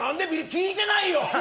聞いてないよ！